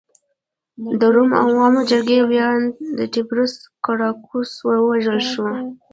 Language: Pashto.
د روم د عوامو جرګې ویاند تیبریوس ګراکچوس ووژل شو